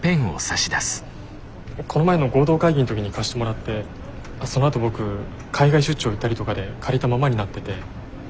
この前の合同会議の時に貸してもらってそのあと僕海外出張行ったりとかで借りたままになってて。